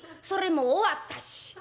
「それもう終わったし」。